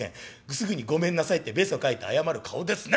すぐにごめんなさいってべそかいて謝る顔ですね』